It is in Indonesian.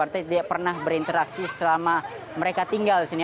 artinya tidak pernah berinteraksi selama mereka tinggal di sini